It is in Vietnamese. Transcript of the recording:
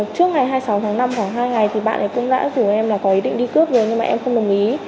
trước ngày hai mươi sáu tháng năm khoảng hai ngày thì bạn ấy cũng đã rủ em là có ý định đi cướp rồi nhưng mà em không đồng ý